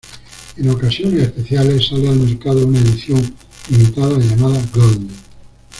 En ocasiones especiales, sale al mercado una edición limitada llamada gold.